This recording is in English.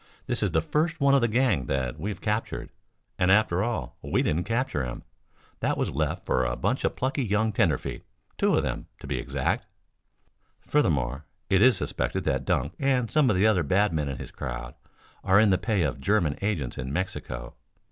This is the first one of the gang that we have captured. And, after all, we didn't capture him. That was left for a bunch of plucky young tenderfeet two of them, to be exact. "Furthermore, it is suspected that Dunk and some of the other bad men of his crowd are in the pay of German agents in Mexico.